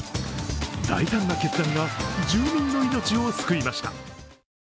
大胆な決断が住民の命を救いました。